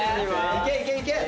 いけいけいけ！